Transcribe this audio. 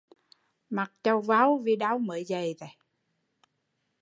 Mặt chàu vau vì đau mới dậy